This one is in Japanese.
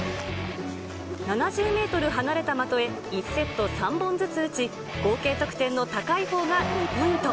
７０メートル離れた的へ１セット３本ずつ撃ち、合計得点の高いほうが２ポイント。